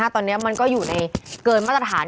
ตอนนี้มันก็อยู่ในเกินมาตรฐาน